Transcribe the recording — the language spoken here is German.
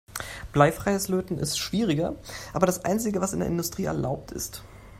Bleifreies Löten ist schwieriger, aber das einzige, was in der Industrie erlaubt ist.